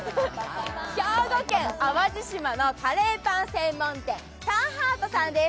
兵庫県淡路島のカレーパン専門店、ｓｕｍｈｅａｒｔさんです。